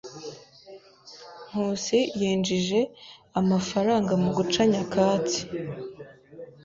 Nkusi yinjije amafaranga mu guca nyakatsi.